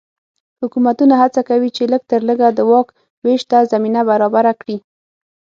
حکومتونه هڅه کوي چې لږ تر لږه د واک وېش ته زمینه برابره کړي.